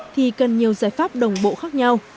thì cần nhiều giải pháp đồng bộ khác nhau